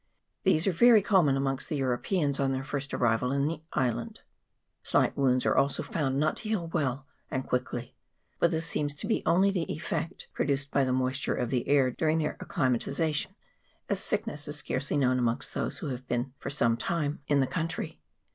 These are very common amongst the Europeans on their first arrival in the island : slight wounds are also found not to heal well and quickly. But this seems to be the only CHAP. XXIV.] TO ROTU RUA. 371 effect produced by the moisture of the air during their acclimatization, as sickness is scarcely known amongst those who have been for some time in the country.